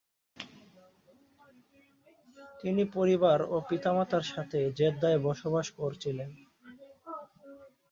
তিনি পরিবার ও পিতামাতার সাথে জেদ্দায় বসবাস করছিলেন।